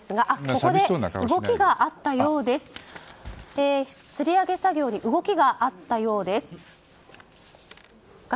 ここで、つり上げ作業に動きがあったようです。